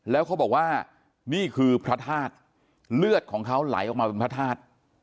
แล้วเขาบอกว่านี่คือพระธาตุเลือดของเขาไหลออกมาเป็นพระธาตุ